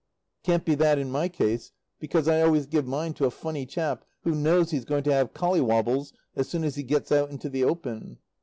Can't be that in my case because I always give mine to a funny chap who knows he's going to have collywobbles as soon as he gets out into the open.